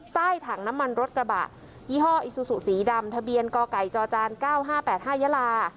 ใต้ถังน้ำมันรถกระบะยี่ห้ออิซูสุสีดำทะเบียนก่อไก่จอจานเก้าห้าแปดห้ายลา